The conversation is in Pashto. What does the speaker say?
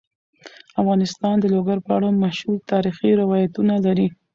افغانستان د لوگر په اړه مشهور تاریخی روایتونه لري.